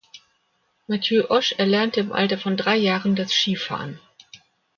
Matthieu Osch erlernte im Alter von drei Jahren das Skifahren.